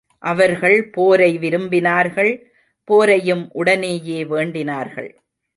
அவர்கள் போரை விரும்பினார்கள் போரையும் உடனேயே வேண்டினார்கள்.